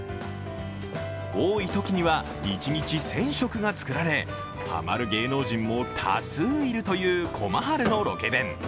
多いときには、一日１０００食が作られ、ハマる芸能人も多数いるという駒春のロケ弁。